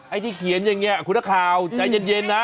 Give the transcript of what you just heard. ไอ้ที่เขียนอย่างนี้คุณนักข่าวใจเย็นนะ